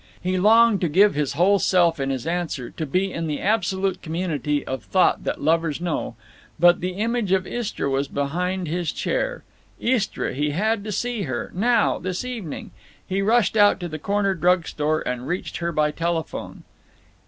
He longed to give his whole self in his answer, to be in the absolute community of thought that lovers know. But the image of Istra was behind his chair. Istra—he had to see her—now, this evening. He rushed out to the corner drug store and reached her by telephone.